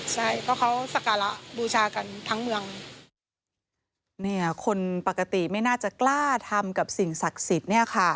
ใช่เพราะเขาสการะบูชากันทั้งเมืองเนี่ยคนปกติไม่น่าจะกล้าทำกับสิ่งศักดิ์สิทธิ์เนี่ยค่ะ